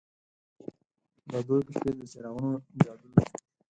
د دوبی شپې د څراغونو جادو لري.